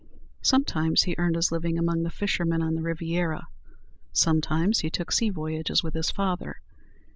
Sometimes he earned his living among the fishermen on the Riviera; sometimes he took sea voyages with his father.